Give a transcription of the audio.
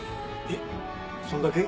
えっそんだけ？